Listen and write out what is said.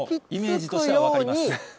イメージとしては分かります。